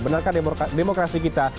benarkah demokrasi kita